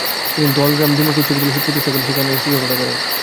তিনি দলগ্রাম দ্বি-মুখী উচ্চ বিদ্যালয় প্রতিষ্ঠা করে সেখানেও শিক্ষকতা করেন।